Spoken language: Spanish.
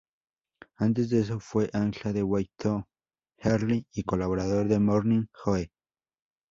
Antes de eso fue ancla de Way Too Early y colaborador de Morning Joe.